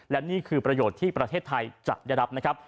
และนี่คือประโยชน์ที่ประเทศไทยจะได้รับนะครับ